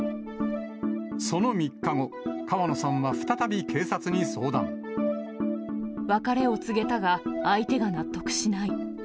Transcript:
その３日後、別れを告げたが、相手が納得しない。